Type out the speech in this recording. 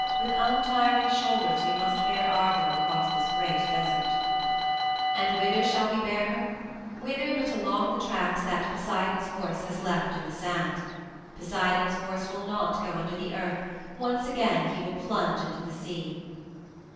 With untiring shoulders we must bear Argo across this great desert. "And whither shall we bear her? Whither but along the tracks that Poseidon's horse has left in the sand! Poseidon's horse will not go under the earth once again he will plunge into the sea!"